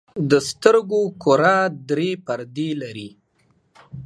د سترګو کره درې پردې لري.